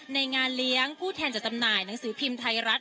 ในงานเลี้ยงผู้แทนจะจำหน่ายหนังสือพิมพ์ไทยรัฐ